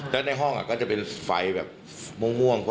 แล้วในห้องก็จะเป็นไฟแบบม่วง